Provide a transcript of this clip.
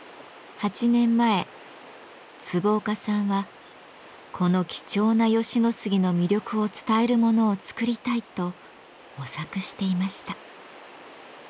８年前坪岡さんはこの貴重な吉野杉の魅力を伝えるものを作りたいと模索していました。